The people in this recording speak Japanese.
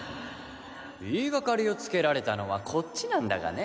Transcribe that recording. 言いがかりをつけられたのはこっちなんだがね。